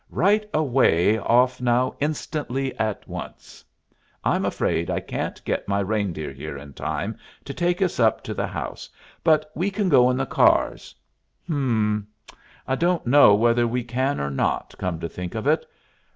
"Right away off now instantly at once! I'm afraid I can't get my reindeer here in time to take us up to the house, but we can go in the cars hum! I don't know whether we can or not, come to think of it.